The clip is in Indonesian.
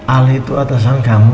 ali itu atasan kamu